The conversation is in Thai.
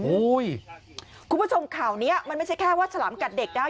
คุณผู้ชมข่าวนี้มันไม่ใช่แค่ว่าฉลามกัดเด็กนะ